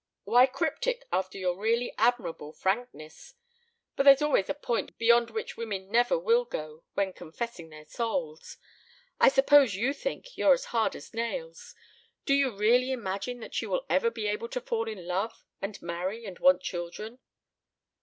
"Why cryptic after your really admirable frankness? But there's always a point beyond which women never will go when confessing their souls. ... I suppose you think you're as hard as nails. Do you really imagine that you will ever be able to fall in love and marry and want children?"